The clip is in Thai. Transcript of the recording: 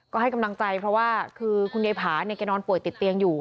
ก็ให้กำลังใจเพราะว่าคือคุณยายผาเนี่ยแกนอนป่วยติดเตียงอยู่